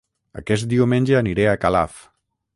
Aquest diumenge aniré a Calaf